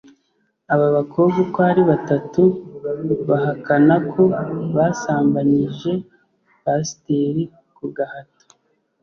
Aba bakobwa uko ari batatu bahakana ko basambanyije Pasiteri ku gahato